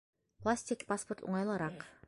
Пластик паспорт уңайлыраҡ